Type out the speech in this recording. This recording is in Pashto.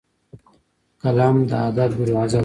قلم د ادب دروازه ده